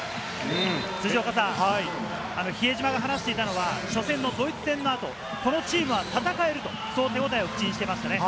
比江島が話していたのは、初戦のドイツ戦の後、このチームは戦える、そう手応えを口にしていました。